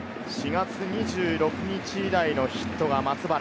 ４月２６日以来のヒットが松原。